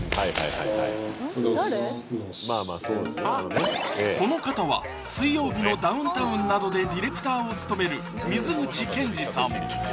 はいはいこの方は「水曜日のダウンタウン」などでディレクターを務める水口健司さん